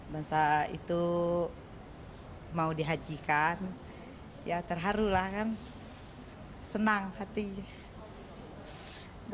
masa itu mau dihajikan ya terharu lah kan senang hati